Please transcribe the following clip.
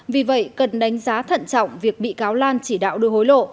vì vậy cần đánh giá thận trọng việc bị cáo lan chỉ đạo đưa hối lộ